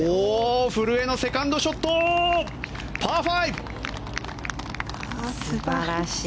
古江のセカンドショットパー５。